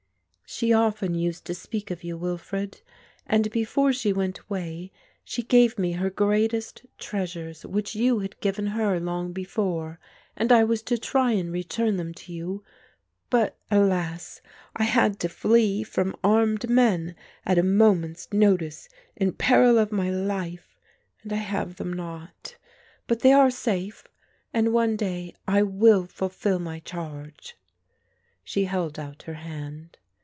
"She often used to speak of you, Wilfred, and before she went away, she gave me her greatest treasures which you had given her long before; and I was to try and return them to you. But, alas, I had to flee from armed men at a moment's notice in peril of my life and I have them not. But they are safe and one day I will fulfil my charge." She held out her hand.